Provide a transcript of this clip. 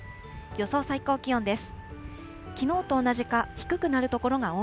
予想最高気温です。